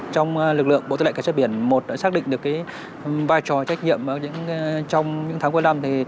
trong lực lượng bộ tư lệnh cảnh sát biển một đã xác định được vai trò trách nhiệm trong những tháng cuối năm